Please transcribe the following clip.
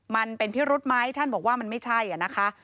มันเป็นพิรุธไหมท่านบอกว่ามันไม่ใช่นะคะ